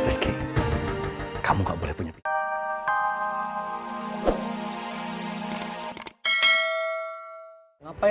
reski kamu gak boleh punya pikiran